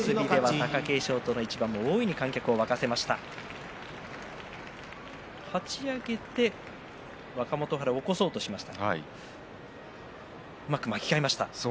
貴景勝の一番も大いに沸かせました。